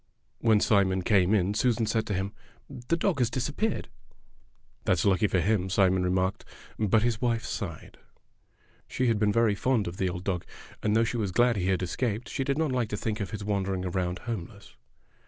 When Simon came in Susan said to him, "The dog has disappeared." "That's lucky for him," Simon remarked, 72 Fairy Tale Foxes but his wife'sighed. She had been very fond of the old dog, and though she was glad he had escaped she did not like to think of his wandering around homeless.